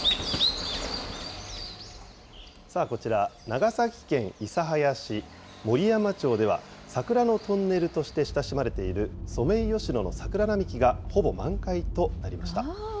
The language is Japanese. さあこちら、長崎県諫早市森山町では、桜のトンネルとして親しまれている、ソメイヨシノの桜並木がほぼ満開となりました。